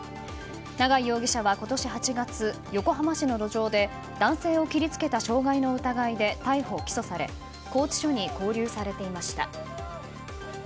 永井容疑者は今年８月横浜市の路上で男性を切りつけた傷害の疑いで逮捕・起訴され拘置所に勾留されていました。